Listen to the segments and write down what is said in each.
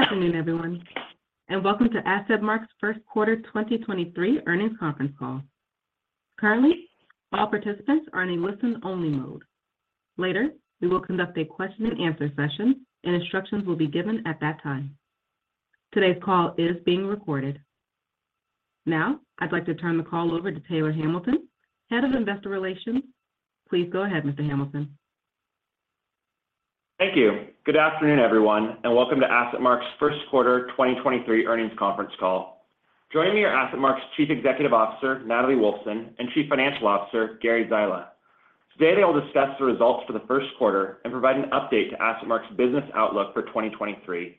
Good afternoon, everyone, and welcome to AssetMark's 1st quarter, 2023 earnings conference call. Currently, all participants are in a listen-only mode. Later, we will conduct a question and answer session, and instructions will be given at that time. Today's call is being recorded. I'd like to turn the call over to Taylor Hamilton, Head of Investor Relations. Please go ahead, Mr. Hamilton. Thank you. Good afternoon, everyone, and welcome to AssetMark's first quarter, 2023 earnings conference call. Joining me are AssetMark's Chief Executive Officer, Natalie Wolfsen, and Chief Financial Officer, Gary Zyla. Today, they will discuss the results for the first quarter and provide an update to AssetMark's business outlook for 2023.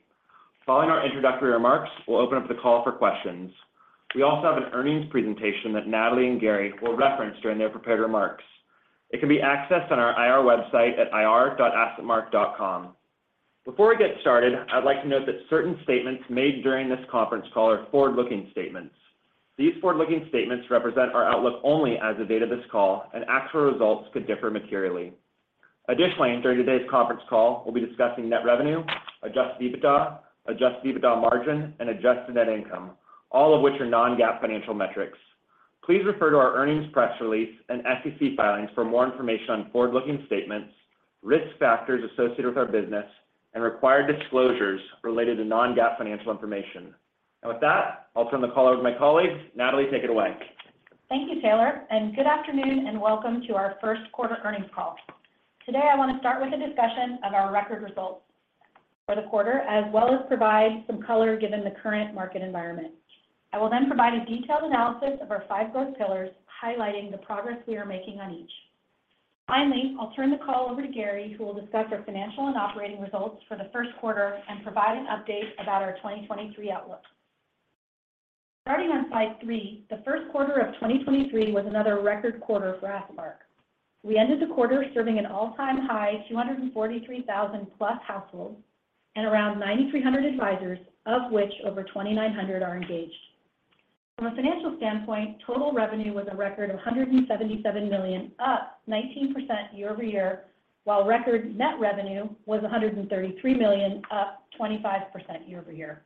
Following our introductory remarks, we'll open up the call for questions. We also have an earnings presentation that Natalie and Gary will reference during their prepared remarks. It can be accessed on our IR website at ir.assetmark.com. Before we get started, I'd like to note that certain statements made during this conference call are forward-looking statements. These forward-looking statements represent our outlook only as of the date of this call, and actual results could differ materially. Additionally, during today's conference call, we'll be discussing net revenue, adjusted EBITDA, adjusted EBITDA margin, and adjusted net income, all of which are non-GAAP financial metrics. Please refer to our earnings press release and SEC filings for more information on forward-looking statements, risk factors associated with our business, and required disclosures related to non-GAAP financial information. With that, I'll turn the call over to my colleague. Natalie, take it away. Thank you, Taylor, good afternoon, and welcome to our first quarter earnings call. Today, I want to start with a discussion of our record results for the quarter, as well as provide some color given the current market environment. I will provide a detailed analysis of our five growth pillars, highlighting the progress we are making on each. Finally, I'll turn the call over to Gary, who will discuss our financial and operating results for the first quarter and provide an update about our 2023 outlook. Starting on slide three, the first quarter of 2023 was another record quarter for AssetMark. We ended the quarter serving an all-time high, 243,000+ households and around 9,300 advisors, of which over 2,900 are engaged. From a financial standpoint, total revenue was a record of 177 million, up 19% year-over-year, while record net revenue was 133 million, up 25% year-over-year.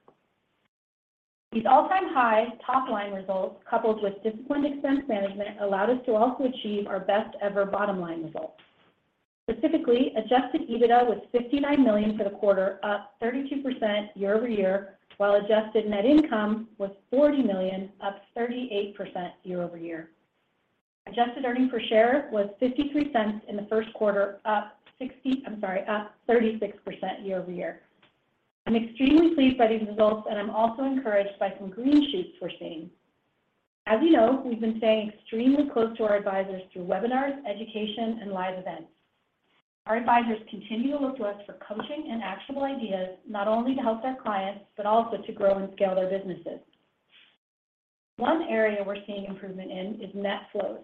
These all-time high top-line results, coupled with disciplined expense management, allowed us to also achieve our best ever bottom line results. Specifically, adjusted EBITDA was $59 million for the quarter, up 32% year-over-year, while adjusted net income was 40 million, up 38% year-over-year. Adjusted earning per share was 0.53 in the first quarter, up 36% year-over-year. I'm extremely pleased by these results. I'm also encouraged by some green shoots we're seeing. As you know, we've been staying extremely close to our advisors through webinars, education, and live events. Our advisors continue to look to us for coaching and actionable ideas, not only to help their clients, but also to grow and scale their businesses. One area we're seeing improvement in is net flows.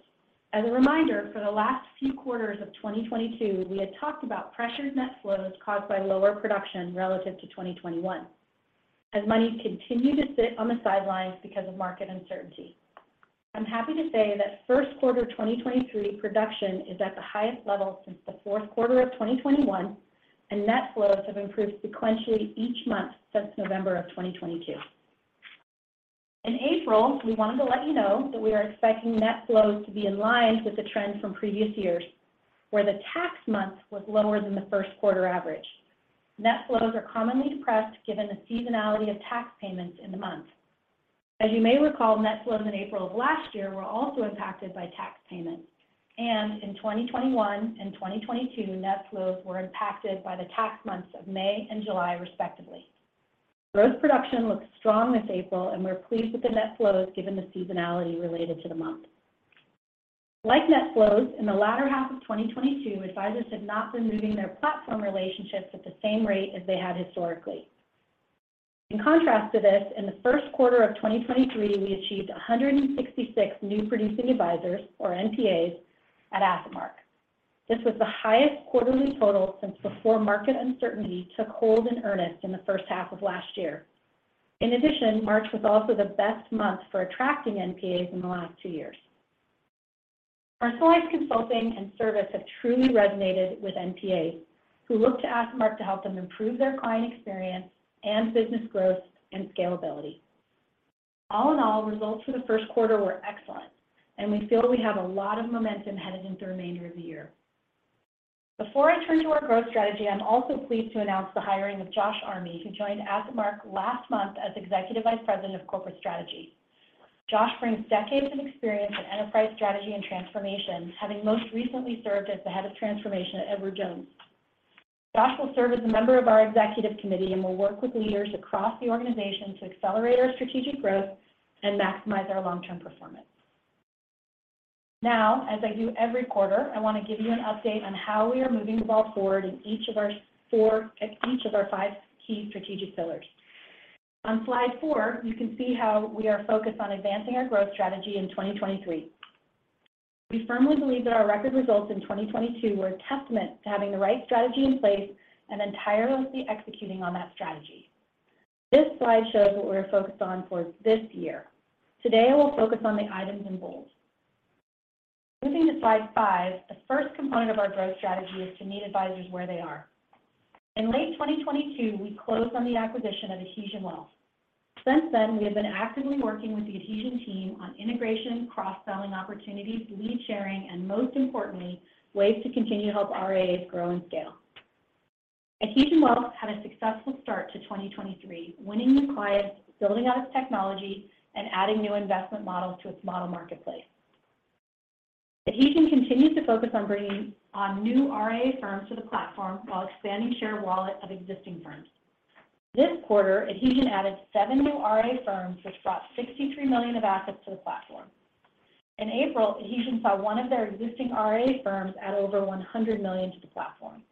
As a reminder, for the last few quarters of 2022, we had talked about pressured net flows caused by lower production relative to 2021 as money continued to sit on the sidelines because of market uncertainty. I'm happy to say that first quarter 2023 production is at the highest level since the fourth quarter of 2021, and net flows have improved sequentially each month since November of 2022. In April, we wanted to let you know that we are expecting net flows to be in line with the trend from previous years, where the tax month was lower than the first quarter average. Net flows are commonly depressed given the seasonality of tax payments in the month. As you may recall, net flows in April of last year were also impacted by tax payments, in 2021 and 2022, net flows were impacted by the tax months of May and July, respectively. Growth production looks strong this April, we're pleased with the net flows given the seasonality related to the month. Like net flows, in the latter half of 2022, advisors have not been moving their platform relationships at the same rate as they had historically. In contrast to this, in the first quarter of 2023, we achieved 166 new producing advisors or NPAs at AssetMark. This was the highest quarterly total since before market uncertainty took hold in earnest in the first half of last year. In addition, March was also the best month for attracting NPAs in the last two years. Our select consulting and service have truly resonated with NPAs who look to AssetMark to help them improve their client experience and business growth and scalability. All in all, results for the first quarter were excellent, and we feel we have a lot of momentum headed into the remainder of the year. Before I turn to our growth strategy, I'm also pleased to announce the hiring of Josh Armey, who joined AssetMark last month as Executive Vice President of Corporate Strategy. Josh brings decades of experience in enterprise strategy and transformation, having most recently served as the Head of Transformation at Edward Jones. Josh will serve as a member of our executive committee and will work with leaders across the organization to accelerate our strategic growth and maximize our long-term performance. As I do every quarter, I want to give you an update on how we are moving the ball forward in each of our five key strategic pillars. On slide four, you can see how we are focused on advancing our growth strategy in 2023. We firmly believe that our record results in 2022 were a testament to having the right strategy in place and entirely executing on that strategy. This slide shows what we're focused on for this year. Today, I will focus on the items in bold. Moving to slide 5, the first component of our growth strategy is to meet advisors where they are. In late 2022, we closed on the acquisition of Adhesion Wealth. Since then, we have been actively working with the Adhesion team on integration, cross-selling opportunities, lead sharing, and most importantly, ways to continue to help RIAs grow and scale. Adhesion Wealth had a successful start to 2023, winning new clients, building out its technology, and adding new investment models to its model marketplace. Adhesion continued to focus on bringing on new RIA firms to the platform while expanding share wallet of existing firms. This quarter, Adhesion added 7 new RIA firms, which brought 63 million of assets to the platform. In April, Adhesion saw one of their existing RIA firms add over 100 million to the platform.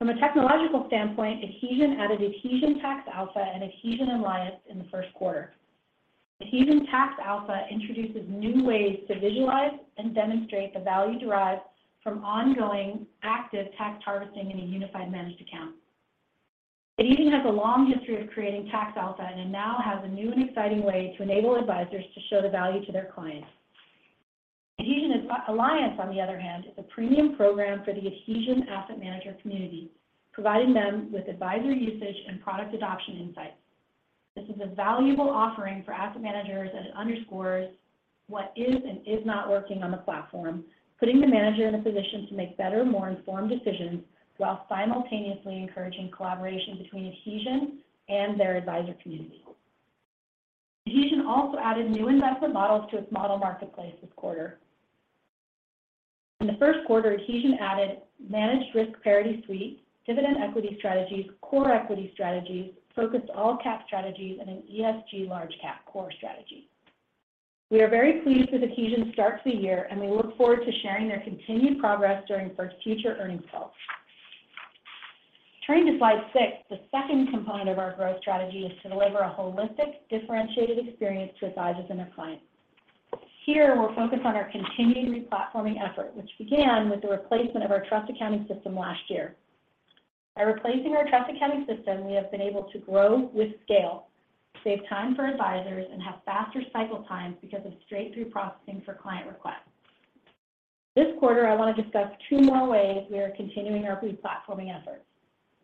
From a technological standpoint, Adhesion added Adhesion Tax Alpha and Adhesion Alliance in the first quarter. Adhesion Tax Alpha introduces new ways to visualize and demonstrate the value derived from ongoing active tax harvesting in a unified managed account. Adhesion has a long history of creating tax alpha, and it now has a new and exciting way to enable advisors to show the value to their clients. Adhesion Alliance, on the other hand, is a premium program for the Adhesion asset manager community, providing them with advisor usage and product adoption insights. This is a valuable offering for asset managers, and it underscores what is and is not working on the platform, putting the manager in a position to make better, more informed decisions, while simultaneously encouraging collaboration between Adhesion and their advisor community. Adhesion also added new investment models to its model marketplace this quarter. In the first quarter, Adhesion added managed risk parity suites, dividend equity strategies, core equity strategies, focused all-cap strategies, and an ESG large cap core strategy. We are very pleased with Adhesion's start to the year, and we look forward to sharing their continued progress during future earnings calls. Turning to slide 6, the second component of our growth strategy is to deliver a holistic, differentiated experience to advisors and their clients. Here, we're focused on our continued re-platforming effort, which began with the replacement of our trust accounting system last year. By replacing our trust accounting system, we have been able to grow with scale, save time for advisors, and have faster cycle times because of straight-through processing for client requests. This quarter, I want to discuss two more ways we are continuing our re-platforming efforts.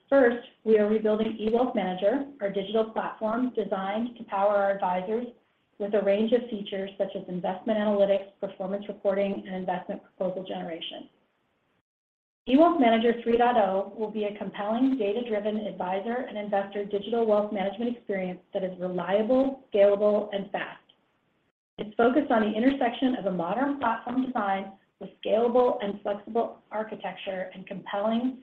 First, we are rebuilding eWealthManager, our digital platform designed to power our advisors with a range of features such as investment analytics, performance reporting, and investment proposal generation. eWealthManager 3.0 will be a compelling data-driven advisor and investor digital wealth management experience that is reliable, scalable, and fast. It's focused on the intersection of a modern platform design with scalable and flexible architecture and compelling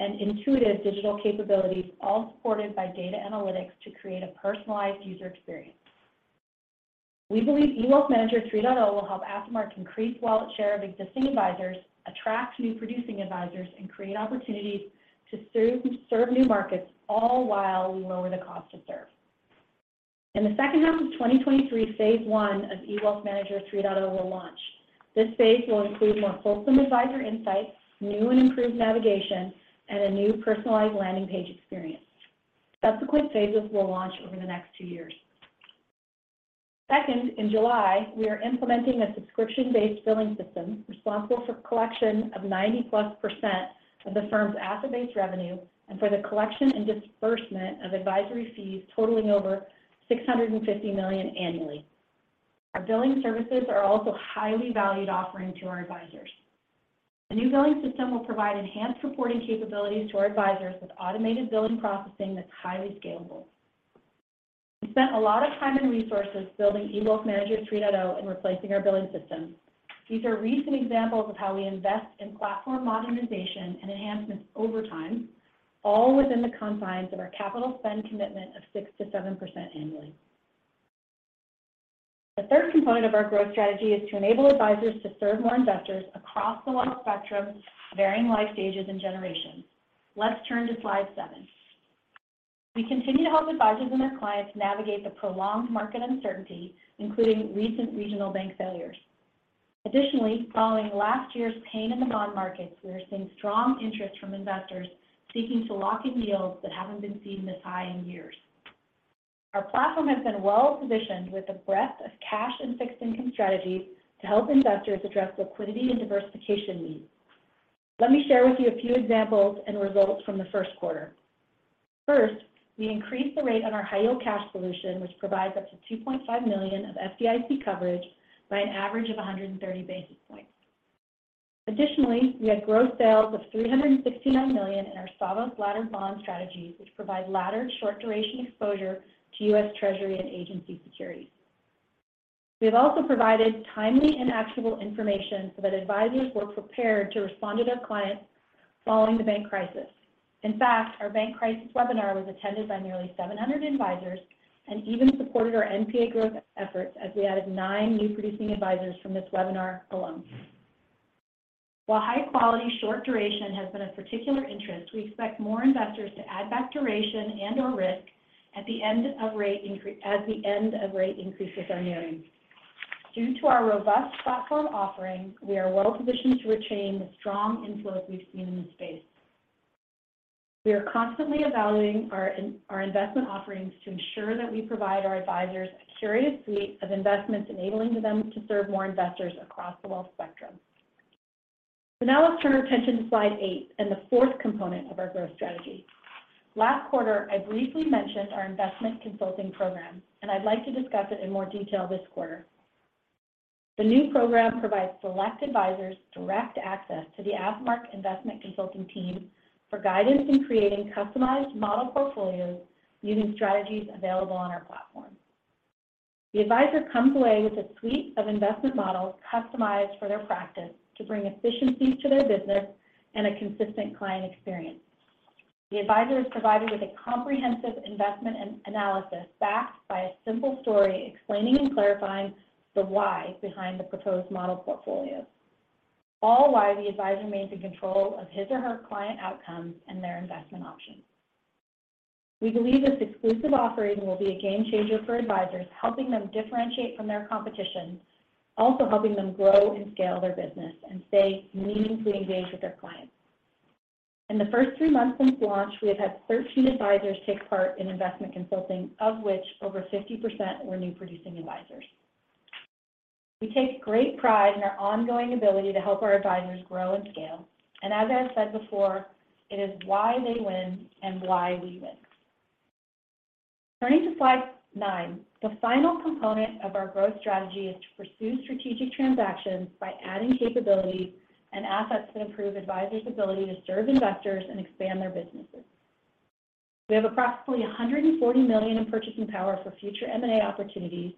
and intuitive digital capabilities, all supported by data analytics to create a personalized user experience. We believe eWealthManager 3.0 will help AssetMark increase wallet share of existing advisors, attract New Producing Advisors, and create opportunities to serve new markets, all while we lower the cost to serve. In the second half of 2023, phase one of eWealthManager 3.0 will launch. This phase will include more fulsome advisor insights, new and improved navigation, and a new personalized landing page experience. Subsequent phases will launch over the next two years. Second, in July, we are implementing a subscription-based billing system responsible for collection of 90%-plus of the firm's asset-based revenue and for the collection and disbursement of advisory fees totaling over 650 million annually. Our billing services are also a highly valued offering to our advisors. The new billing system will provide enhanced reporting capabilities to our advisors with automated billing processing that's highly scalable. We spent a lot of time and resources building eWealthManager 3.0 and replacing our billing system. These are recent examples of how we invest in platform modernization and enhancements over time, all within the confines of our capital spend commitment of 6%-7% annually. The third component of our growth strategy is to enable advisors to serve more investors across the wealth spectrum, varying life stages, and generations. Let's turn to slide seven. We continue to help advisors and their clients navigate the prolonged market uncertainty, including recent regional bank failures. Following last year's pain in the bond markets, we are seeing strong interest from investors seeking to lock in yields that haven't been seen this high in years. Our platform has been well-positioned with a breadth of cash and fixed income strategies to help investors address liquidity and diversification needs. Let me share with you a few examples and results from the first quarter. We increased the rate on our high-yield cash solution, which provides up to 2.5 million of FDIC coverage by an average of 130 basis points. We had gross sales of 369 million in our SAVOS laddered bond strategies, which provide laddered short duration exposure to U.S. Treasury and agency securities. We have also provided timely and actionable information so that advisors were prepared to respond to their clients following the bank crisis. In fact, our bank crisis webinar was attended by nearly 700 advisors and even supported our NPA growth efforts as we added nine new producing advisors from this webinar alone. While high quality, short duration has been of particular interest, we expect more investors to add back duration and/or risk at the end of rate as the end of rate increases are nearing. Due to our robust platform offering, we are well positioned to retain the strong inflows we've seen in this space. We are constantly evaluating our investment offerings to ensure that we provide our advisors a curated suite of investments, enabling them to serve more investors across the wealth spectrum. Now let's turn our attention to slide eight and the fourth component of our growth strategy. Last quarter, I briefly mentioned our investment consulting program, and I'd like to discuss it in more detail this quarter. The new program provides select advisors direct access to the AssetMark investment consulting team for guidance in creating customized model portfolios using strategies available on our platform. The advisor comes away with a suite of investment models customized for their practice to bring efficiencies to their business and a consistent client experience. The advisor is provided with a comprehensive investment analysis backed by a simple story explaining and clarifying the why behind the proposed model portfolio. All while the advisor remains in control of his or her client outcomes and their investment options. We believe this exclusive offering will be a game changer for advisors, helping them differentiate from their competition, also helping them grow and scale their business and stay meaningfully engaged with their clients. In the first three months since launch, we have had 13 advisors take part in investment consulting, of which over 50% were New Producing Advisors. As I have said before, it is why they win and why we win. Turning to slide nine, the final component of our growth strategy is to pursue strategic transactions by adding capabilities and assets that improve advisors' ability to serve investors and expand their businesses. We have approximately 140 million in purchasing power for future M and A opportunities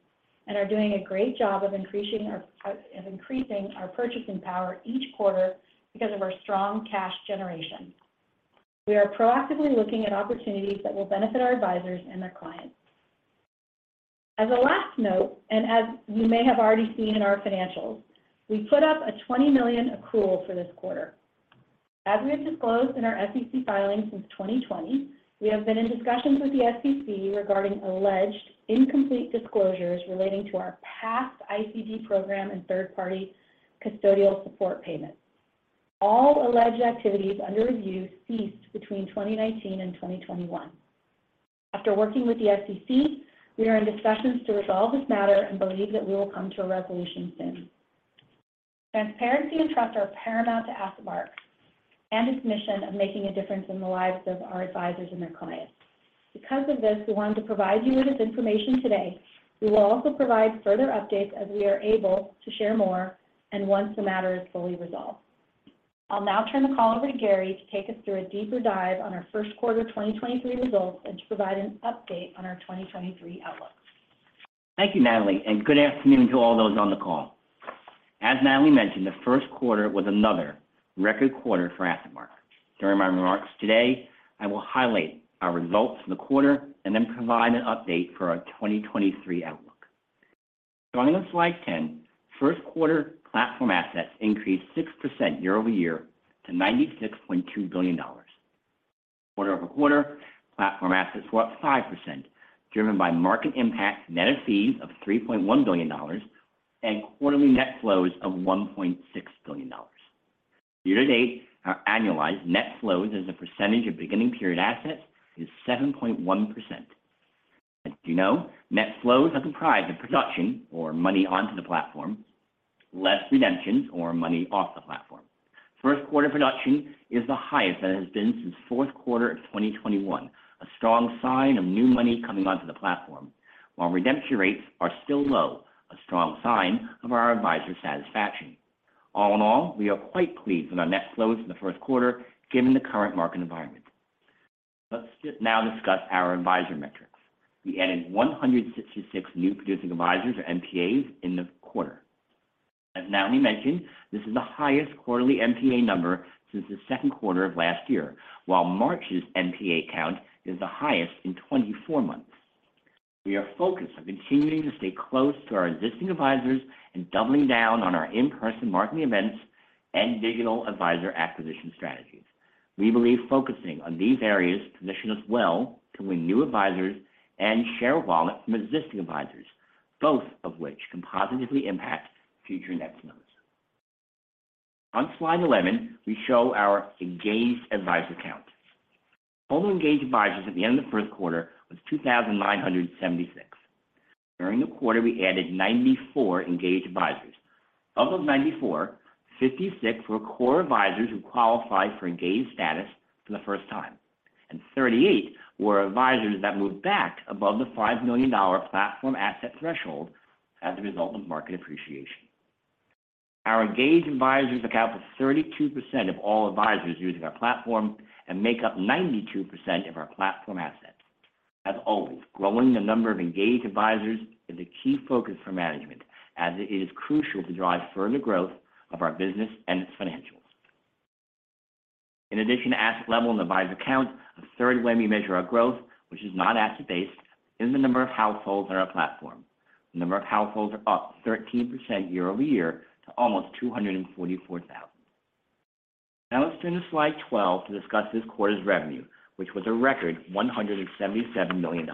and are doing a great job of increasing our purchasing power each quarter because of our strong cash generation. We are proactively looking at opportunities that will benefit our advisors and their clients. As a last note, as you may have already seen in our financials, we put up a 20 million accrual for this quarter. As we have disclosed in our SEC filings since 2020, we have been in discussions with the SEC regarding alleged incomplete disclosures relating to our past ICD program and third-party custodial support payments. All alleged activities under review ceased between 2019 and 2021. After working with the SEC, we are in discussions to resolve this matter and believe that we will come to a resolution soon. Transparency and trust are paramount to AssetMark and its mission of making a difference in the lives of our advisors and their clients. Because of this, we wanted to provide you with this information today. We will also provide further updates as we are able to share more and once the matter is fully resolved. I'll now turn the call over to Gary to take us through a deeper dive on our first quarter 2023 results and to provide an update on our 2023 outlook. Thank you, Natalie, and good afternoon to all those on the call. As Natalie mentioned, the first quarter was another record quarter for AssetMark. During my remarks today, I will highlight our results for the quarter and then provide an update for our 2023 outlook. Starting on slide 10, first quarter platform assets increased 6% year-over-year to $96.2 billion. Quarter-over-quarter, platform assets were up 5%, driven by market impact net of fees of $3.1 billion and quarterly net flows of $1.6 billion. Year-to-date, our annualized net flows as a percentage of beginning period assets is 7.1%. As you know, net flows are comprised of production or money onto the platform, less redemptions or money off the platform. First quarter production is the highest that it has been since fourth quarter of 2021, a strong sign of new money coming onto the platform. Redemption rates are still low, a strong sign of our advisor satisfaction. All in all, we are quite pleased with our net flows in the first quarter given the current market environment. Let's just now discuss our advisor metrics. We added 166 new producing advisors or NPAs in the quarter. As Natalie Wolfsen mentioned, this is the highest quarterly NPA number since the second quarter of last year, while March's NPA count is the highest in 24 months. We are focused on continuing to stay close to our existing advisors and doubling down on our in-person marketing events and digital advisor acquisition strategies. We believe focusing on these areas position us well to win new advisors and share wallet from existing advisors, both of which can positively impact future net flows. On slide 11, we show our engaged advisor count. Total engaged advisors at the end of the first quarter was 2,976. During the quarter, we added 94 engaged advisors. Of those 94, 56 were core advisors who qualified for engaged status for the first time, and 38 were advisors that moved back above the $5 million platform asset threshold as a result of market appreciation. Our engaged advisors account for 32% of all advisors using our platform and make up 92% of our platform assets. As always, growing the number of engaged advisors is a key focus for management, as it is crucial to drive further growth of our business and its financials. In addition to asset level and advisor count, a third way we measure our growth, which is not asset-based, is the number of households on our platform. The number of households are up 13% year-over-year to almost 244,000. Now let's turn to slide 12 to discuss this quarter's revenue, which was a record $177 million.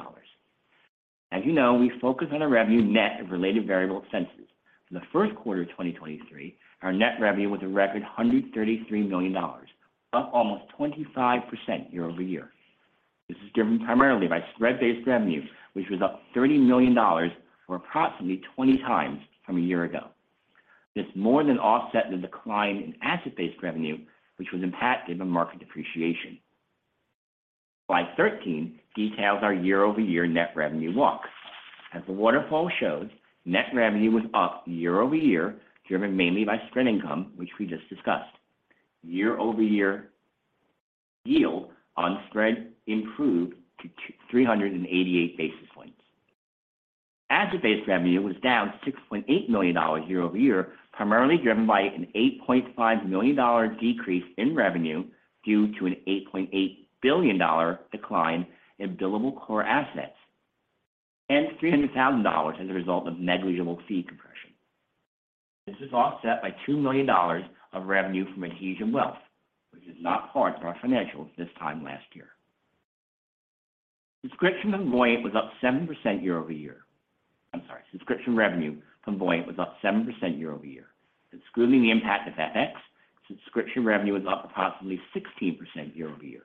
As you know, we focus on the revenue net of related variable expenses. In the first quarter of 2023, our net revenue was a record $133 million, up almost 25% year-over-year. This is driven primarily by spread-based revenue, which was up $30 million, or approximately 20 times from a year ago. This more than offset the decline in asset-based revenue, which was impacted by market depreciation. Slide 13 details our year-over-year net revenue walk. As the waterfall shows, net revenue was up year-over-year, driven mainly by spread income, which we just discussed. Year-over-year yield on spread improved to 388 basis points. Asset-based revenue was down $6.8 million year-over-year, primarily driven by an $8.5 million decrease in revenue due to an $8.8 billion decline in billable core assets, and $300,000 as a result of negligible fee compression. This was offset by $2 million of revenue from Adhesion Wealth, which is not part of our financials this time last year. Subscription from Voyant was up 7% year-over-year. I'm sorry, subscription revenue from Voyant was up 7% year-over-year. Excluding the impact of FX, subscription revenue was up approximately 16% year-over-year.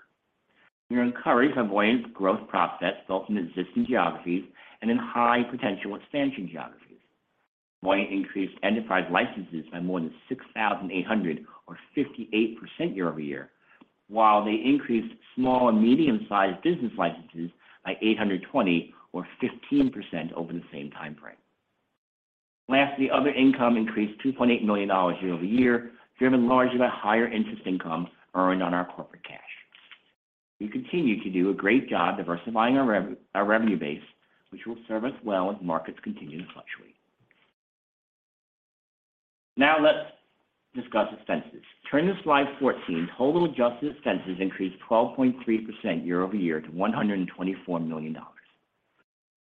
We are encouraged by Voyant's growth process both in existing geographies and in high potential expansion geographies. Voyant increased enterprise licenses by more than 6,800 or 58% year-over-year, while they increased small and medium-sized business licenses by 820 or 15% over the same time frame. Lastly, other income increased $2.8 million year-over-year, driven largely by higher interest income earned on our corporate cash. We continue to do a great job diversifying our revenue base, which will serve us well as markets continue to fluctuate. Now let's discuss expenses. Turning to slide 14, total adjusted expenses increased 12.3% year-over-year to $124 million.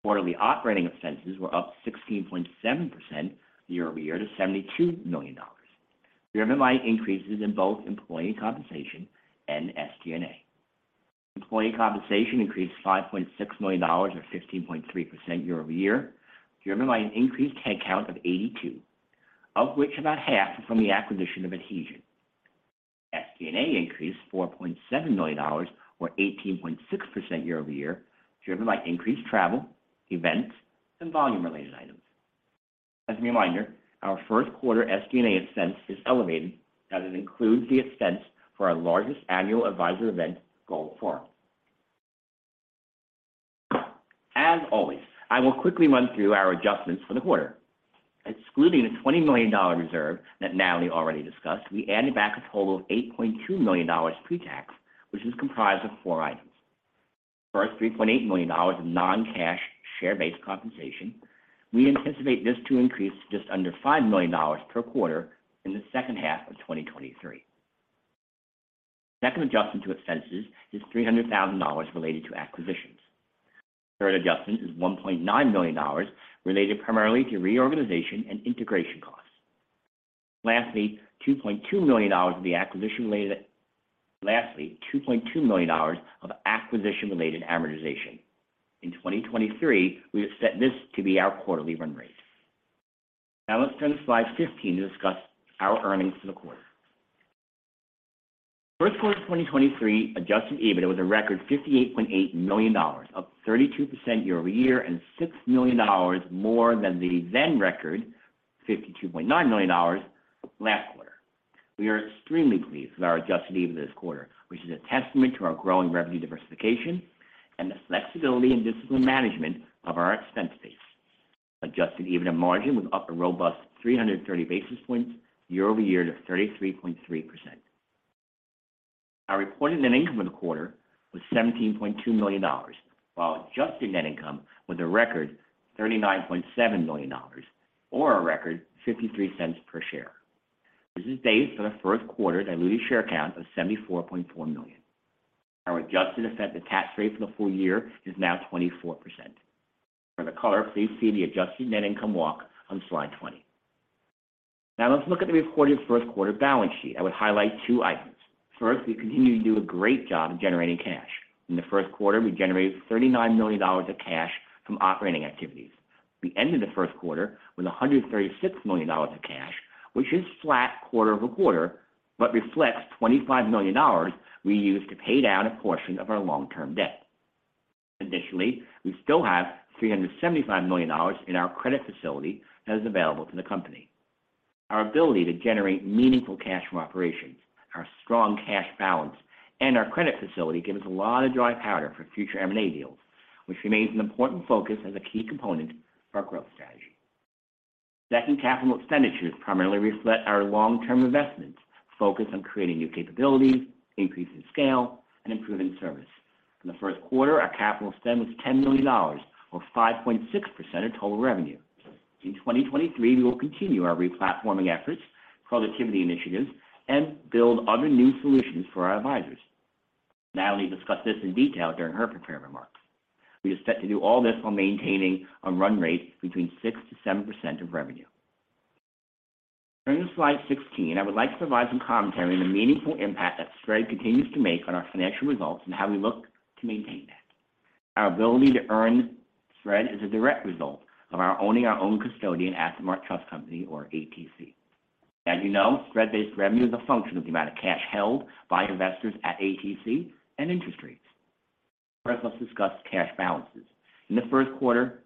Quarterly operating expenses were up 16.7% year-over-year to $72 million, driven by increases in both employee compensation and SG&A. Employee compensation increased $5.6 million or 15.3% year-over-year, driven by an increased head count of 82, of which about half is from the acquisition of Adhesion. SG&A increased $4.7 million or 18.6% year-over-year, driven by increased travel, events, and volume related items. As a reminder, our first quarter SG&A expense is elevated as it includes the expense for our largest annual advisor event, Gold Forum. As always, I will quickly run through our adjustments for the quarter. Excluding the $20 million reserve that Natalie already discussed, we added back a total of $8.2 million pre-tax, which is comprised of four items. First, $3.8 million in non-cash share-based compensation. We anticipate this to increase to just under $5 million per quarter in the second half of 2023. Second adjustment to expenses is $300,000 related to acquisitions. Third adjustment is $1.9 million related primarily to reorganization and integration costs. Lastly, $2.2 million of acquisition-related amortization. In 2023, we have set this to be our quarterly run rate. Now let's turn to slide 15 to discuss our earnings for the quarter. First quarter 2023 adjusted EBITDA was a record $58.8 million, up 32% year-over-year and $6 million more than the then record $52.9 million last quarter. We are extremely pleased with our adjusted EBITDA this quarter, which is a testament to our growing revenue diversification and the flexibility and discipline management of our expense base. Adjusted EBITDA margin was up a robust 330 basis points year-over-year to 33.3%. Our reported net income in the quarter was $17.2 million, while adjusted net income was a record $39.7 million or a record $0.53 per share. This is based on the first quarter diluted share count of 74.4 million. Our adjusted effective tax rate for the full year is now 24%. For the color, please see the adjusted net income walk on slide 20. Let's look at the recorded first quarter balance sheet. I would highlight two items. First, we continue to do a great job of generating cash. In the first quarter, we generated $39 million of cash from operating activities. We ended the first quarter with $136 million of cash, which is flat quarter-over-quarter, but reflects $25 million we used to pay down a portion of our long-term debt. Additionally, we still have $375 million in our credit facility that is available to the company. Our ability to generate meaningful cash from operations, our strong cash balance and our credit facility give us a lot of dry powder for future M&A deals, which remains an important focus as a key component of our growth strategy. Second, capital expenditures primarily reflect our long-term investments focused on creating new capabilities, increasing scale, and improving service. In the first quarter, our capital spend was $10 million or 5.6% of total revenue. In 2023, we will continue our replatforming efforts, productivity initiatives, and build other new solutions for our advisors. Natalie discussed this in detail during her prepared remarks. We are set to do all this while maintaining a run rate between 6%-7% of revenue. Turning to slide 16, I would like to provide some commentary on the meaningful impact that spread continues to make on our financial results and how we look to maintain that. Our ability to earn spread is a direct result of our owning our own custodian AssetMark Trust Company, or ATC. As you know, spread-based revenue is a function of the amount of cash held by investors at ATC and interest rates. First, let's discuss cash balances. In the first quarter,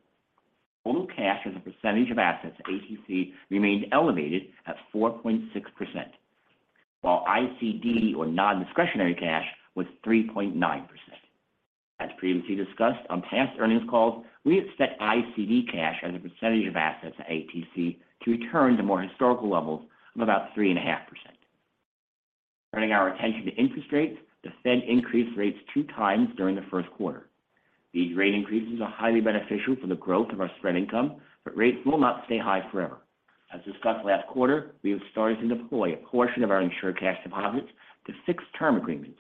total cash as a percentage of assets at ATC remained elevated at 4.6%, while ICD or non-discretionary cash was 3.9%. As previously discussed on past earnings calls, we have set ICD cash as a percentage of assets at ATC to return to more historical levels of about 3.5%. Turning our attention to interest rates, the Fed increased rates two times during the first quarter. These rate increases are highly beneficial for the growth of our spread income, but rates will not stay high forever. As discussed last quarter, we have started to deploy a portion of our insured cash deposits to fixed term agreements.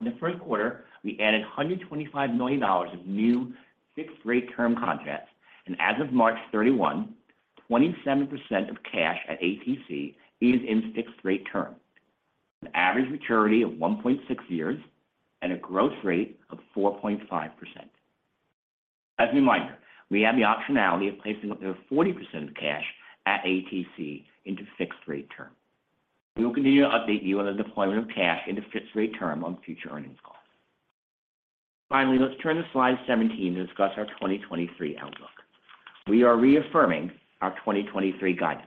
In the first quarter, we added $125 million of new fixed rate term contracts. As of March 31, 27% of cash at ATC is in fixed rate term with an average maturity of 1.6 years and a growth rate of 4.5%. As a reminder, we have the optionality of placing up to 40% of cash at ATC into fixed rate term. We will continue to update you on the deployment of cash into fixed rate term on future earnings calls. Let's turn to slide 17 to discuss our 2023 outlook. We are reaffirming our 2023 guidance.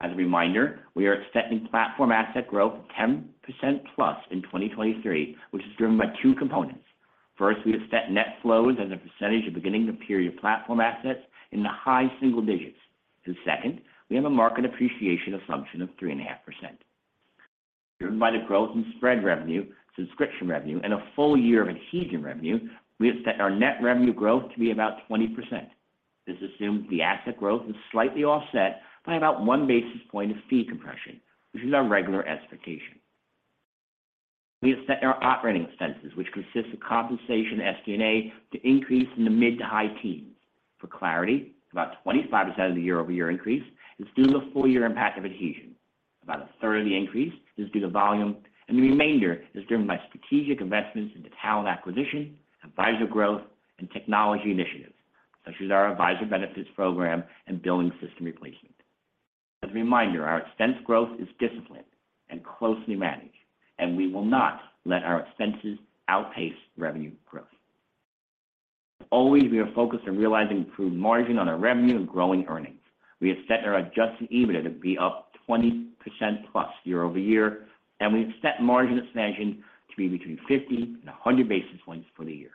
As a reminder, we are expecting platform asset growth of 10%+ in 2023, which is driven by two components. First, we have set net flows as a percentage of beginning of period platform assets in the high single digits. Second, we have a market appreciation assumption of 3.5%. Driven by the growth in spread revenue, subscription revenue, and a full year of Adhesion revenue, we have set our net revenue growth to be about 20%. This assumes the asset growth is slightly offset by about 1 basis point of fee compression, which is our regular expectation. We have set our operating expenses, which consists of compensation, SG&A, to increase in the mid to high teens. For clarity, about 25% of the year-over-year increase is due to the full year impact of Adhesion. About a third of the increase is due to volume, and the remainder is driven by strategic investments into talent acquisition, advisor growth, and technology initiatives, such as our advisor benefits program and billing system replacement. As a reminder, our expense growth is disciplined and closely managed, and we will not let our expenses outpace revenue growth. As always, we are focused on realizing improved margin on our revenue and growing earnings. We have set our adjusted EBITDA to be up 20%+ year-over-year, and we have set margin expansion to be between 50 and 100 basis points for the year.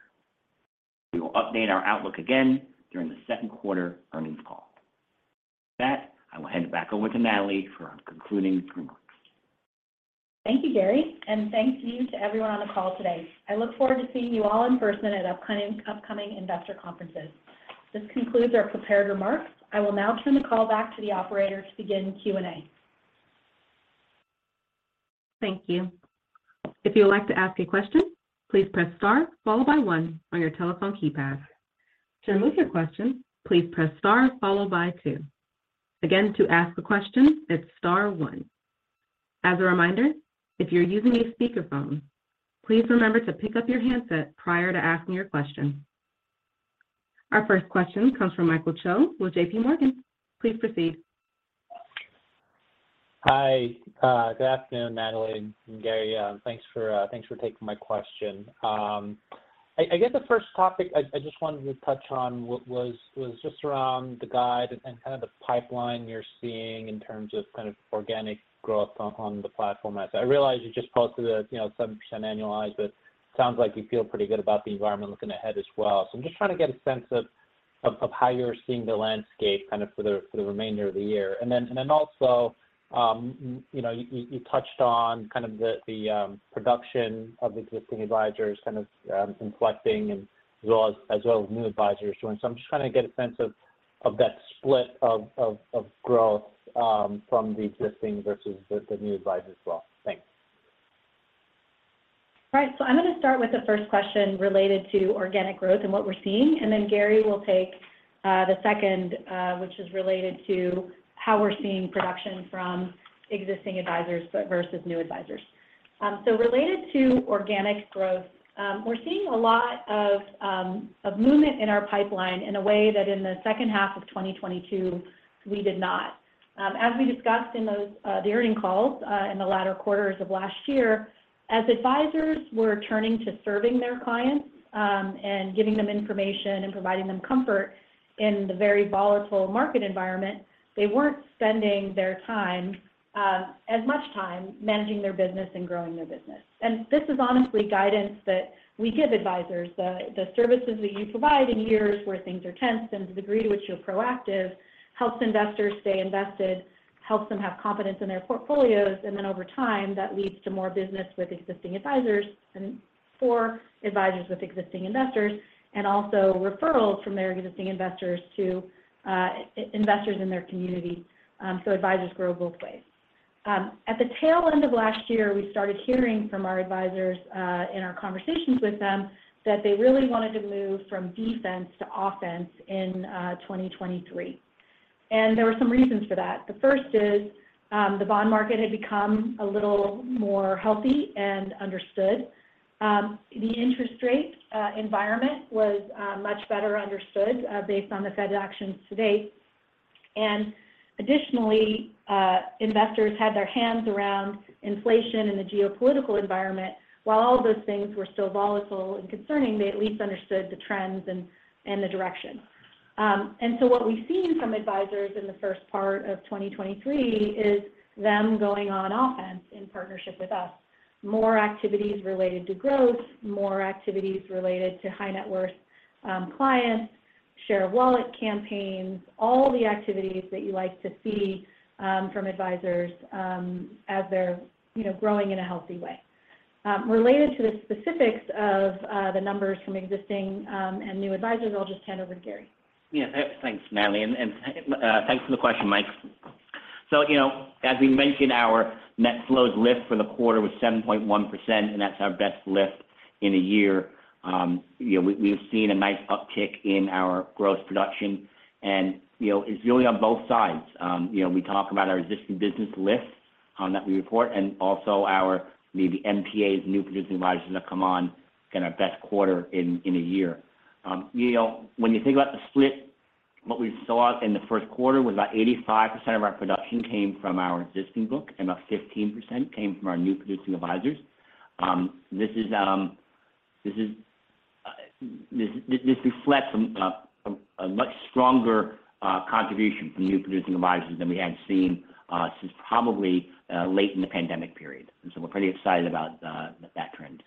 We will update our outlook again during the second quarter earnings call. With that, I will hand it back over to Natalie for our concluding remarks. Thank you, Gary, and thank you to everyone on the call today. I look forward to seeing you all in person at upcoming investor conferences. This concludes our prepared remarks. I will now turn the call back to the operator to begin Q&A. Thank you. If you would like to ask a question, please press star followed by 1 on your telephone keypad. To remove your question, please press star followed by two. Again, to ask a question, it's star one. As a reminder, if you're using a speakerphone, please remember to pick up your handset prior to asking your question. Our first question comes from Michael Cho with JPMorgan. Please proceed. Hi. Good afternoon, Natalie and Gary. Thanks for taking my question. I guess the first topic I just wanted to touch on was just around the guide and kind of the pipeline you're seeing in terms of kind of organic growth on the platform. I realize you just posted a, you know, 7% annualized, but sounds like you feel pretty good about the environment looking ahead as well. I'm just trying to get a sense of how you're seeing the landscape kind of for the remainder of the year. Then also, you know, you touched on kind of the production of existing advisors kind of inflecting as well as new advisors showing. I'm just trying to get a sense of that split of growth, from the existing versus the new advisors as well. Thanks. All right. I'm going to start with the first question related to organic growth and what we're seeing, then Gary will take the second, which is related to how we're seeing production from existing advisors but versus new advisors. Related to organic growth, we're seeing a lot of movement in our pipeline in a way that in the second half of 2022 we did not. As we discussed in those the earning calls in the latter quarters of last year, as advisors were turning to serving their clients, and giving them information and providing them comfort in the very volatile market environment, they weren't spending their time as much time managing their business and growing their business. This is honestly guidance that we give advisors. The services that you provide in years where things are tense and the degree to which you're proactive helps investors stay invested, helps them have confidence in their portfolios, over time, that leads to more business with existing advisors and for advisors with existing investors, also referrals from their existing investors to investors in their community. Advisors grow both ways. At the tail end of last year, we started hearing from our advisors in our conversations with them that they really wanted to move from defense to offense in 2023. There were some reasons for that. The first is, the bond market had become a little more healthy and understood. The interest rate environment was much better understood based on the Fed actions to date. Additionally, investors had their hands around inflation and the geopolitical environment. While all of those things were still volatile and concerning, they at least understood the trends and the direction. What we've seen from advisors in the first part of 2023 is them going on offense in partnership with us. More activities related to growth, more activities related to high net worth clients, share wallet campaigns, all the activities that you like to see from advisors as they're, you know, growing in a healthy way. Related to the specifics of the numbers from existing and new advisors, I'll just hand over to Gary. Thanks, Natalie. Thanks for the question, Mike. You know, as we mentioned, our net flows lift for the quarter was 7.1%, and that's our best lift in a year. You know, we've seen a nice uptick in our gross production, and, you know, it's really on both sides. You know, we talk about our existing business lift that we report and also our, the NPAs, new producing advisors that come on in our best quarter in a year. You know, when you think about the split, what we saw in the first quarter was about 85% of our production came from our existing book, and about 15% came from our new producing advisors. This is this reflects a much stronger contribution from New Producing Advisors than we had seen since probably late in the pandemic period. We're pretty excited about that trend.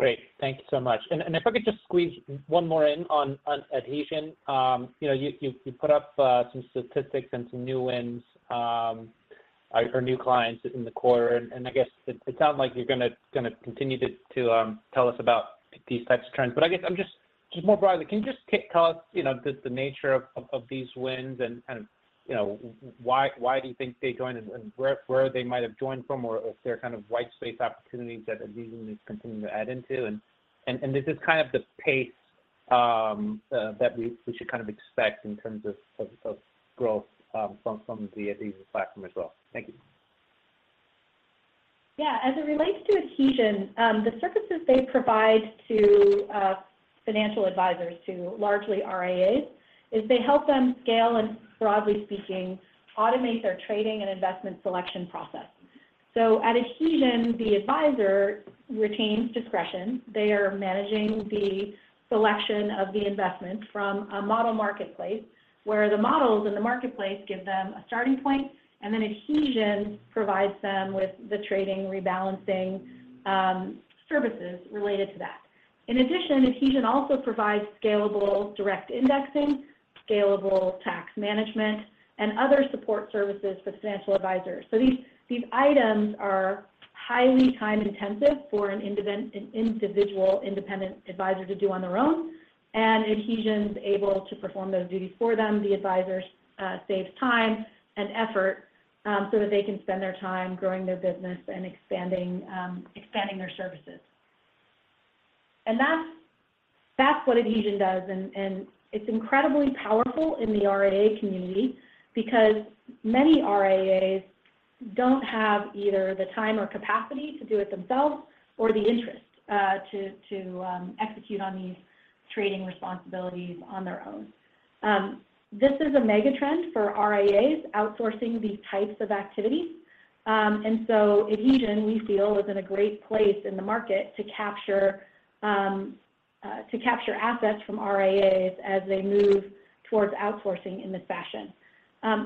Great. Thank you so much. If I could just squeeze one more in on Adhesion. You know, you put up some statistics and some new wins or new clients in the quarter. I guess it sounds like you're going to continue to tell us about these types of trends. I guess I'm just more broadly, can you just tell us, you know, the nature of these wins and kind of, you know, why do you think they joined and where they might have joined from, or if they're kind of white space opportunities that Adhesion is continuing to add into? Is this kind of the pace that we should kind of expect in terms of growth from the Adhesion platform as well? Thank you. Yeah. As it relates to Adhesion, the services they provide to financial advisors, to largely RIAs, is they help them scale and, broadly speaking, automate their trading and investment selection process. At Adhesion, the advisor retains discretion. They are managing the selection of the investment from a model marketplace, where the models in the marketplace give them a starting point, and then Adhesion provides them with the trading rebalancing, services related to that. In addition, Adhesion also provides scalable direct indexing, scalable tax management, and other support services for financial advisors. These, these items are highly time-intensive for an individual independent advisor to do on their own. Adhesion's able to perform those duties for them. The advisor saves time and effort, so that they can spend their time growing their business and expanding their services. That's what Adhesion does. It's incredibly powerful in the RIA community because many RIAs don't have either the time or capacity to do it themselves or the interest to execute on these trading responsibilities on their own. This is a mega trend for RIAs, outsourcing these types of activities. Adhesion, we feel, is in a great place in the market to capture assets from RIAs as they move towards outsourcing in this fashion.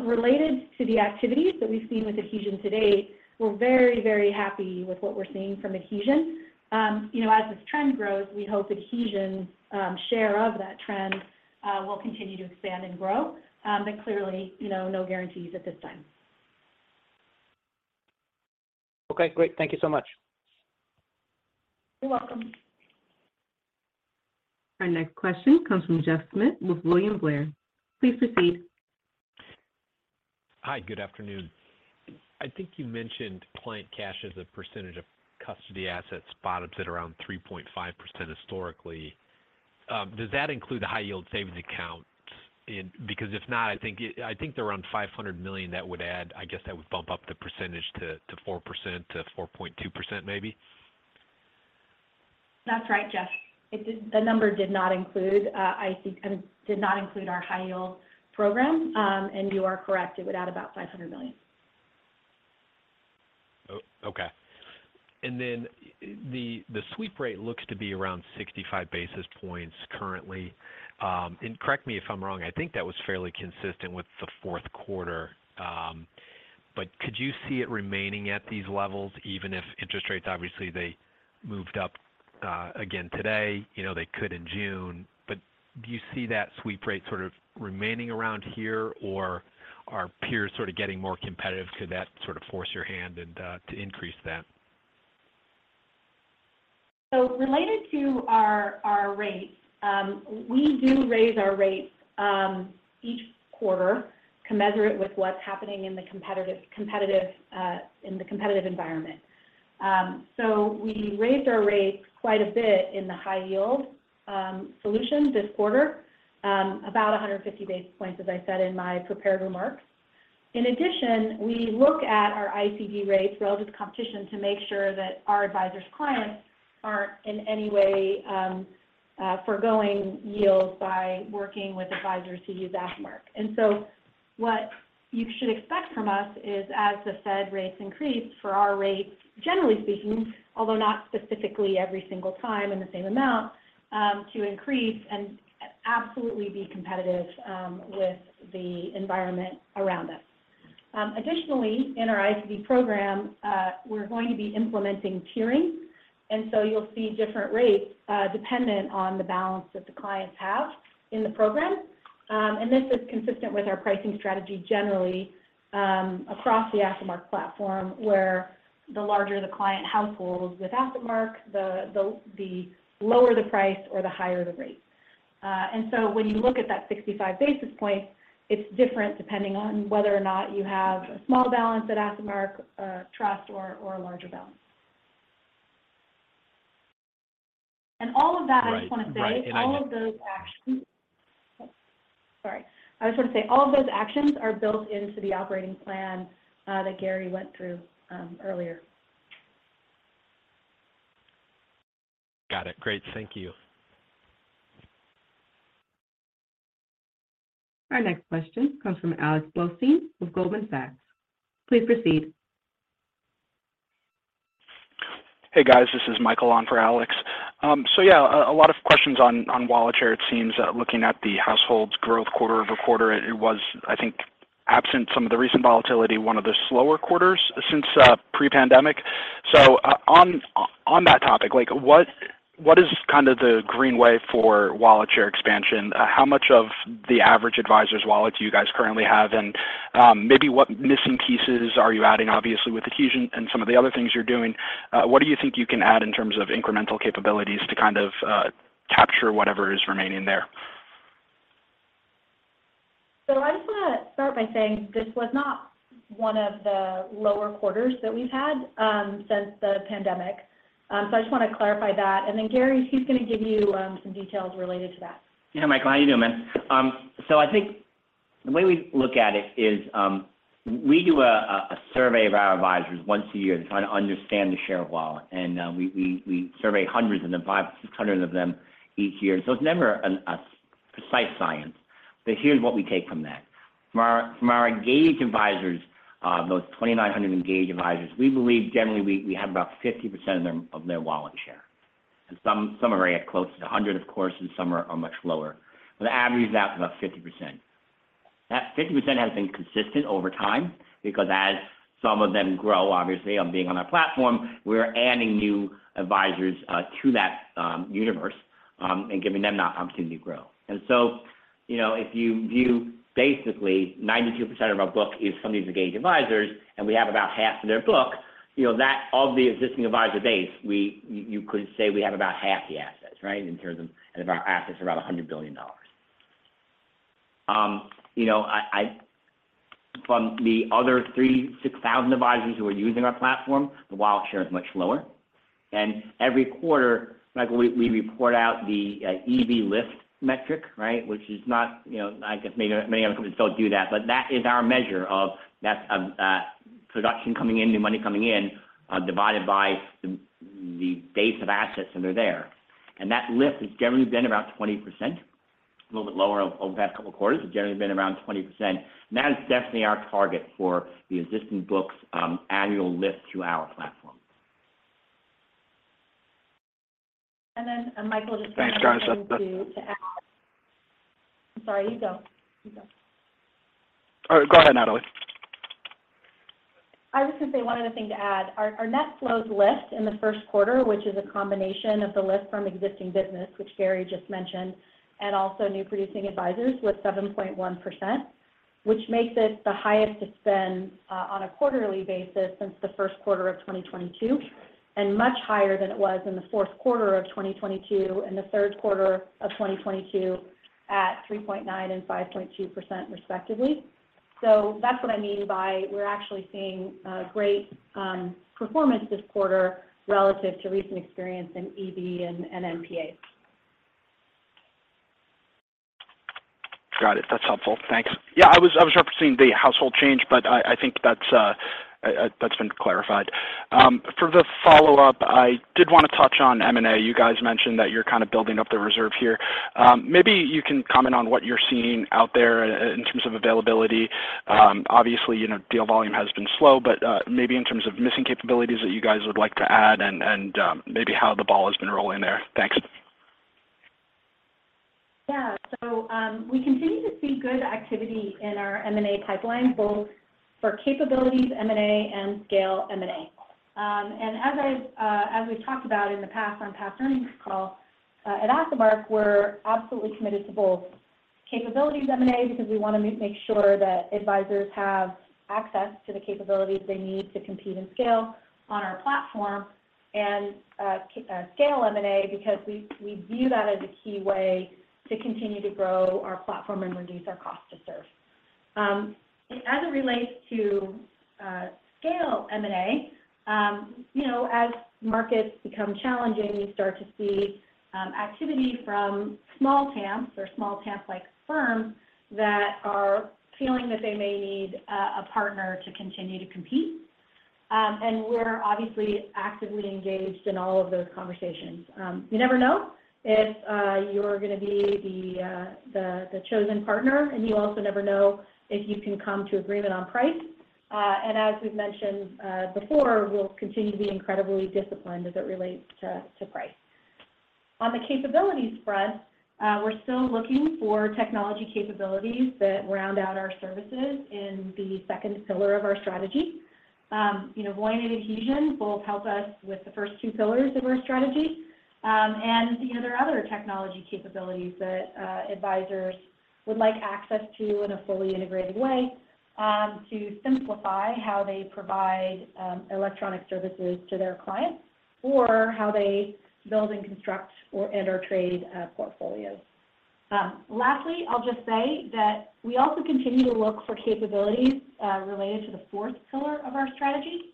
Related to the activities that we've seen with Adhesion to date, we're very, very happy with what we're seeing from Adhesion. You know, as this trend grows, we hope Adhesion's share of that trend will continue to expand and grow. Clearly, you know, no guarantees at this time. Okay. Great. Thank you so much. You're welcome. Our next question comes from Jeff Schmitt with William Blair. Please proceed. Hi, good afternoon. I think you mentioned client cash as a percentage of custody assets bottoms at around 3.5% historically. Does that include the high yield savings accounts? Because if not, I think they're around 500 million that would add. I guess that would bump up the percentage to 4%, to 4.2% maybe. That's right, Jeff. The number did not include, I think, did not include our high yield program. You are correct, it would add about $500 million. Okay. The sweep rate looks to be around 65 basis points currently. Correct me if I'm wrong, I think that was fairly consistent with the fourth quarter. Could you see it remaining at these levels even if interest rates, obviously, they moved up again today, you know, they could in June, do you see that sweep rate sort of remaining around here, or are peers sort of getting more competitive? Could that sort of force your hand to increase that? Related to our rates, we do raise our rates each quarter commiserate with what's happening in the competitive environment. We raised our rates quite a bit in the high yield solutions this quarter about 150 basis points, as I said in my prepared remarks. In addition, we look at our ICD rates relative to competition to make sure that our advisors' clients aren't in any way foregoing yields by working with advisors who use AssetMark. What you should expect from us is as the Fed rates increase for our rates, generally speaking, although not specifically every single time in the same amount, to increase and absolutely be competitive with the environment around us. Additionally, in our ICD program, we're going to be implementing tiering. You'll see different rates, dependent on the balance that the clients have in the program. This is consistent with our pricing strategy generally, across the AssetMark platform, where the larger the client households with AssetMark, the lower the price or the higher the rates. When you look at that 65 basis point, it's different depending on whether or not you have a small balance at AssetMark or trust or a larger balance. All of that I just want to say- Right. Right. I know- All of those actions... Sorry. I just want to say all of those actions are built into the operating plan, that Gary went through, earlier. Got it. Great. Thank you. Our next question comes from Alex Blostein with Goldman Sachs. Please proceed. Hey, guys. This is Michael Cho on for Alex Blostein. Yeah, a lot of questions on wallet share. It seems that looking at the households growth quarter-over-quarter, it was, I think, absent some of the recent volatility, one of the slower quarters since pre-pandemic. On that topic, what is kind of the green way for wallet share expansion? How much of the average advisor's wallet do you guys currently have? Maybe what missing pieces are you adding obviously with Adhesion and some of the other things you're doing? What do you think you can add in terms of incremental capabilities to kind of capture whatever is remaining there? I just want to start by saying this was not one of the lower quarters that we've had since the pandemic. I just want to clarify that. Gary, he's going to give you some details related to that. Yeah, Michael. How you doing, man? I think the way we look at it is, we do a survey of our advisors once a year to try to understand the share of wallet. We survey hundreds and then 500-600 of them each year. It's never a precise science. Here's what we take from that. From our engaged advisors, those 2,900 engaged advisors, we believe generally we have about 50% of their wallet share. Some are very close to 100, of course, and some are much lower. The average is out for about 50%. That 50% has been consistent over time because as some of them grow, obviously, on being on our platform, we're adding new advisors to that universe and giving them that opportunity to grow. You know, if you view basically 92% of our book is from these engaged advisors, and we have about half of their book, you know, that of the existing advisor base, you could say we have about half the assets, right? In terms of... Of our assets are about $100 billion. You know, I From the other 3,600 advisors who are using our platform, the wallet share is much lower. Every quarter, Michael, we report out the production lift metric, right? Which is not, you know, I guess maybe other companies don't do that. That is our measure of that production coming in, new money coming in, divided by the base of assets under there. That lift has generally been about 20%, a little bit lower over the past couple quarters. It's generally been around 20%. That is definitely our target for the existing books, annual lift through our platform. Michael, just one other thing to add. Thanks, guys. I'm sorry. You go. All right. Go ahead, Natalie. I was just saying one other thing to add. Our net flows lift in the first quarter, which is a combination of the lift from existing business, which Gary just mentioned, and also new producing advisors was 7.1%, which makes it the highest it's been on a quarterly basis since the first quarter of 2022, and much higher than it was in the fourth quarter of 2022 and the third quarter of 2022 at 3.9% and 5.2% respectively. That's what I mean by we're actually seeing great performance this quarter relative to recent experience in EV and NPAs. Got it. That's helpful. Thanks. I was referencing the household change, but I think that's been clarified. For the follow-up, I did want to touch on M and A. You guys mentioned that you're kind of building up the reserve here. Maybe you can comment on what you're seeing out there in terms of availability. You know, deal volume has been slow, but maybe in terms of missing capabilities that you guys would like to add and maybe how the ball has been rolling there. Thanks. We continue to see good activity in our M&A pipeline, both for capabilities M&A and scale M&A. As I've, as we've talked about in the past on past earnings calls, at AssetMark, we're absolutely committed to both. Capabilities M&A because we want to make sure that advisors have access to the capabilities they need to compete and scale on our platform. Scale M&A because we view that as a key way to continue to grow our platform and reduce our cost to serve. As it relates to scale M&A, you know, as markets become challenging, you start to see activity from small TAMs or small TAM-like firms that are feeling that they may need a partner to continue to compete. We're obviously actively engaged in all of those conversations. You never know if you're going to be the chosen partner, and you also never know if you can come to agreement on price. As we've mentioned before, we'll continue to be incredibly disciplined as it relates to price. On the capabilities front, we're still looking for technology capabilities that round out our services in the second pillar of our strategy. You know, Voyant and Adhesion both help us with the first two pillars of our strategy, you know, there are other technology capabilities that advisors would like access to in a fully integrated way to simplify how they provide electronic services to their clients or how they build and construct or enter trade portfolios. Lastly, I'll just say that we also continue to look for capabilities related to the fourth pillar of our strategy.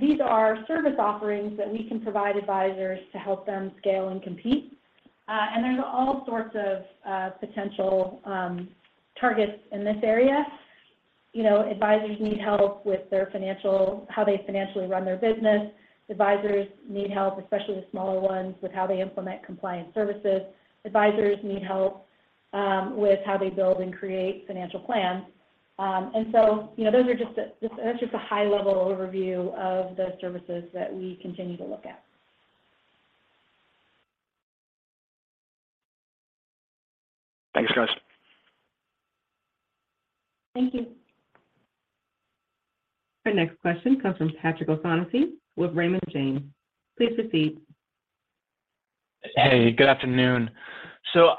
These are service offerings that we can provide advisors to help them scale and compete. There's all sorts of potential targets in this area. You know, advisors need help with how they financially run their business. Advisors need help, especially the smaller ones, with how they implement compliance services. Advisors need help with how they build and create financial plans. You know, that's just a high level overview of the services that we continue to look at. Thanks, guys. Thank you. Our next question comes from Patrick O'Shaughnessy with Raymond James. Please proceed. Hey, good afternoon.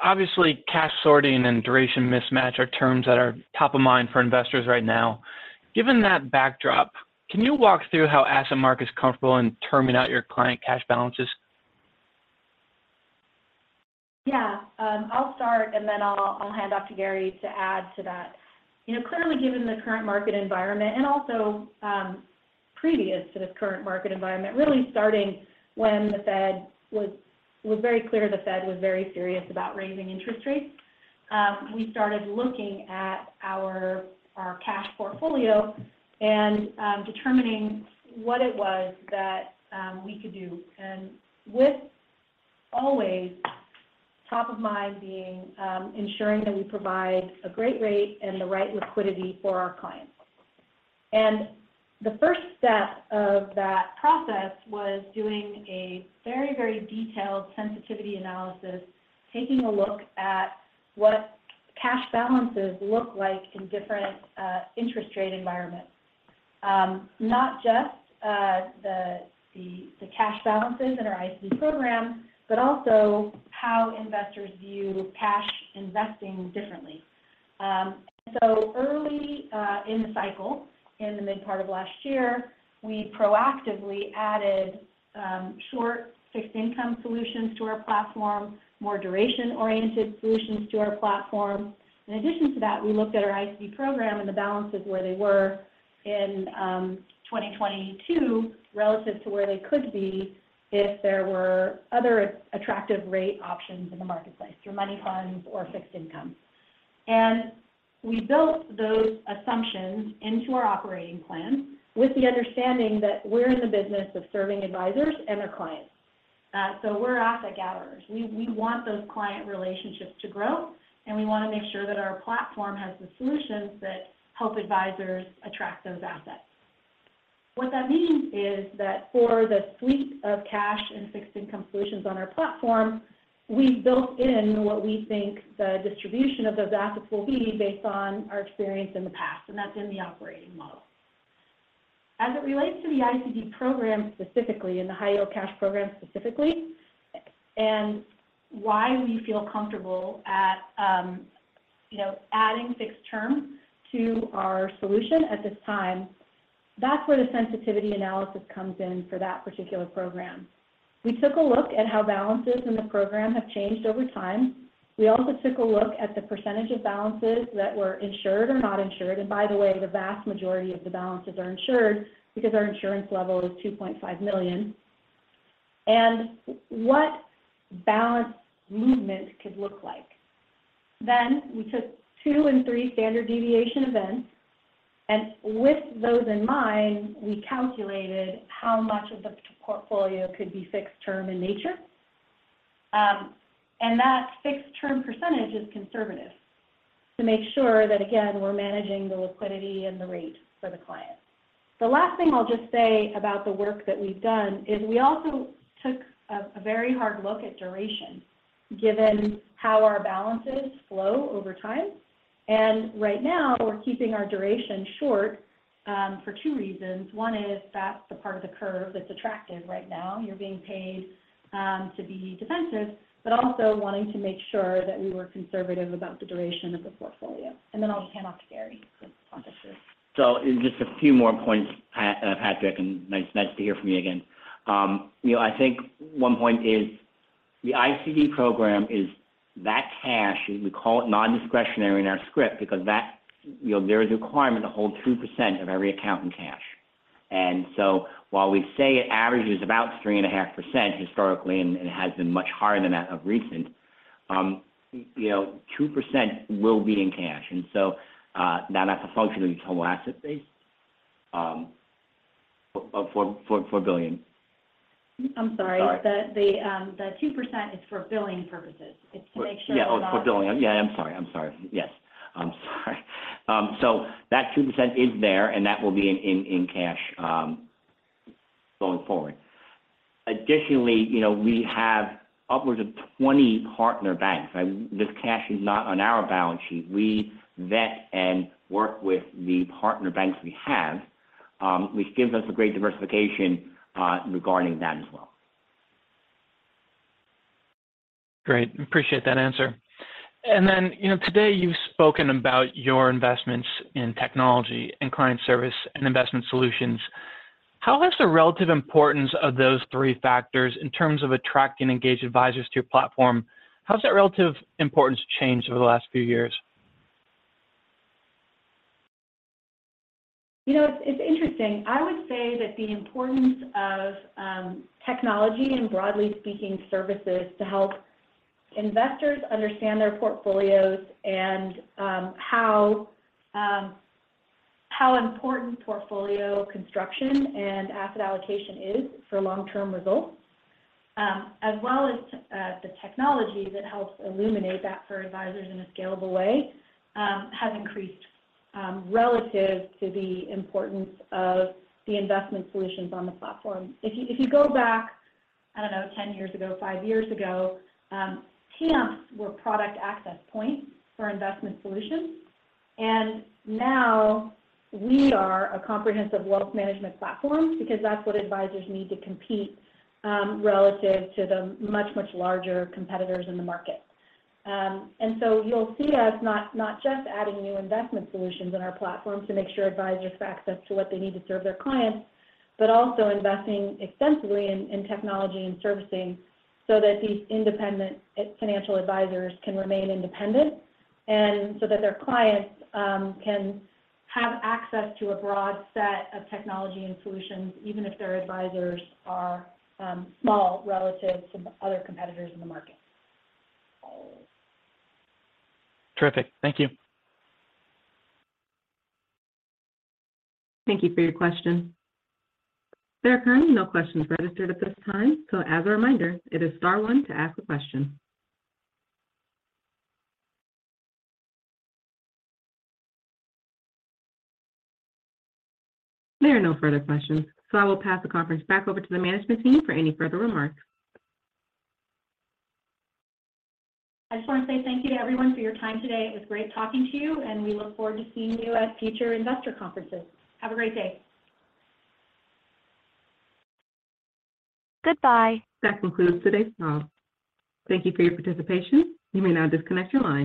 Obviously, cash sorting and duration mismatch are terms that are top of mind for investors right now. Given that backdrop, can you walk through how AssetMark is comfortable in terming out your client cash balances? I'll start, and then I'll hand off to Gary to add to that. You know, clearly, given the current market environment and also, previous to the current market environment, really starting when the Fed was very clear the Fed was very serious about raising interest rates, we started looking at our cash portfolio and, determining what it was that, we could do, and with always top of mind being, ensuring that we provide a great rate and the right liquidity for our clients. The first step of that process was doing a very, very detailed sensitivity analysis, taking a look at what cash balances look like in different, interest rate environments. Not just, the cash balances in our ICD program, but also how investors view cash investing differently. Early in the cycle, in the mid part of last year, we proactively added short fixed income solutions to our platform, more duration-oriented solutions to our platform. In addition to that, we looked at our ICD program and the balances where they were in 2022 relative to where they could be if there were other attractive rate options in the marketplace through money funds or fixed income. We built those assumptions into our operating plan with the understanding that we're in the business of serving advisors and their clients. We're asset gatherers. We want those client relationships to grow, and we want to make sure that our platform has the solutions that help advisors attract those assets. What that means is that for the suite of cash and fixed income solutions on our platform, we built in what we think the distribution of those assets will be based on our experience in the past, and that's in the operating model. As it relates to the ICD program specifically and the high yield cash program specifically, and why we feel comfortable at, you know, adding fixed term to our solution at this time, that's where the sensitivity analysis comes in for that particular program. We took a look at how balances in the program have changed over time. We also took a look at the percentage of balances that were insured or not insured, and by the way, the vast majority of the balances are insured because our insurance level is 2.5 million, and what balance movement could look like. We took two and three standard deviation events, and with those in mind, we calculated how much of the portfolio could be fixed term in nature. That fixed term percentage is conservative to make sure that, again, we're managing the liquidity and the rate for the client. The last thing I'll just say about the work that we've done is we also took a very hard look at duration given how our balances flow over time. Right now we're keeping our duration short for two reasons. One is that's the part of the curve that's attractive right now. You're being paid to be defensive, but also wanting to make sure that we were conservative about the duration of the portfolio. I'll hand off to Gary for commentary. Just a few more points, Patrick, and nice to hear from you again. You know, I think one point is the ICD program is that cash, we call it non-discretionary in our script because that you know, there is a requirement to hold 2% of every account in cash. While we say it averages about 3.5% historically, and it has been much higher than that of recent, you know, 2% will be in cash. Now that's a function of the total asset base of 4 billion. I'm sorry. Sorry. The 2% is for billing purposes. It's to make sure. Yeah, oh, for billing. Yeah, I'm sorry. I'm sorry. Yes. I'm sorry. That 2% is there, and that will be in cash going forward. Additionally, you know, we have upwards of 20 partner banks. This cash is not on our balance sheet. We vet and work with the partner banks we have, which gives us a great diversification regarding that as well. Great. Appreciate that answer. You know, today you've spoken about your investments in technology and client service and investment solutions. How has the relative importance of those three factors in terms of attract and engage advisors to your platform, how has that relative importance changed over the last few years? You know, it's interesting. I would say that the importance of technology and broadly speaking services to help investors understand their portfolios and how important portfolio construction and asset allocation is for long-term results, as well as the technology that helps illuminate that for advisors in a scalable way, has increased relative to the importance of the investment solutions on the platform. If you, if you go back, I don't know, 10 years ago, five years ago, TAMPs were product access points for investment solutions. Now we are a comprehensive wealth management platform because that's what advisors need to compete relative to the much, much larger competitors in the market. You'll see us not just adding new investment solutions on our platform to make sure advisors have access to what they need to serve their clients, but also investing extensively in technology and servicing so that these independent financial advisors can remain independent and so that their clients can have access to a broad set of technology and solutions, even if their advisors are small relative to other competitors in the market. Terrific. Thank you. Thank you for your question. There are currently no questions registered at this time, so as a reminder, it is star one to ask a question. There are no further questions, so I will pass the conference back over to the management team for any further remarks. I just want to say thank you to everyone for your time today. It was great talking to you, and we look forward to seeing you at future investor conferences. Have a great day. Goodbye. That concludes today's call. Thank you for your participation. You may now disconnect your line.